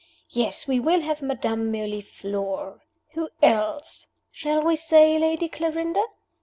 Yes, we will have Madame Mirliflore. Who else? Shall we say Lady Clarinda?